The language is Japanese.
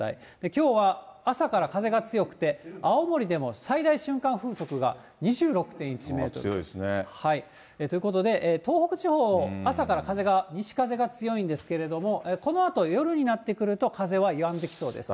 きょうは朝から風が強くて、青森でも最大瞬間風速が２６．１メートルと。ということで、東北地方、朝から風が、西風が強いんですけれども、このあと夜になってくると、風はやんできそうです。